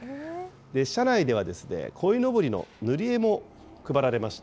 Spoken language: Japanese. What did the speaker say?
車内ではこいのぼりの塗り絵も配られました。